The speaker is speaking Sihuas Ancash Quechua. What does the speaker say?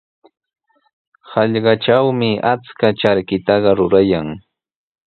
Hallqatrawmi achka charkitaqa rurayan.